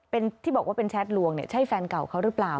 เป็นที่บอกว่าเป็นแชทลวงเนี่ยใช่แฟนเก่าเขาหรือเปล่า